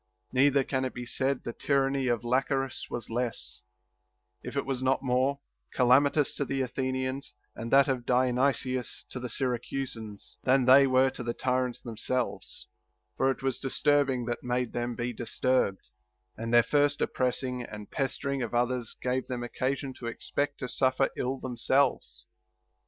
Neither can it be said that the tyranny of Lachares was less, if it waa not more, calamitous to the Athenians, and that of Diony sius to the Syracusans, than they were to the tyrants them selves ; for it was disturbing that made them be disturbed ; and their first oppressing and pestering of others gave them occasion to expect to suffer ill themselves.